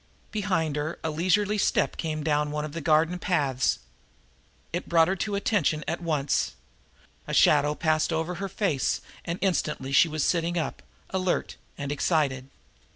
Behind her a leisurely step came down one of the garden paths. It brought her to attention at once. A shadow passed across her face, and instantly she was sitting up, alert and excited.